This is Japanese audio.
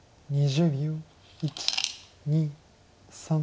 ２０秒。